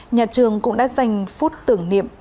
nhà trường cũng đã dành phút tưởng niệm